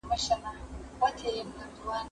زه پرون ونې ته اوبه ورکوم!.